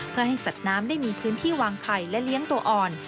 เพื่อให้สัตว์น้ำได้มีพื้นที่วางไผ่และเลี้ยงตัวอ่อน